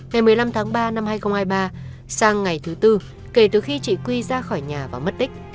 ngày một mươi năm tháng ba năm hai nghìn hai mươi ba sang ngày thứ tư kể từ khi chị quy ra khỏi nhà và mất tích